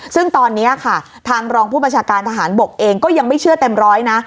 ซึ่งตอนนี้ค่ะทางรองผู้บัญชาการทหารบกเองก็ยังไม่เชื่อเต็มร้อยนะ